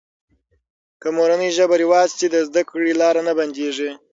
که مورنۍ ژبه رواج سي، د زده کړې لاره نه بندېږي.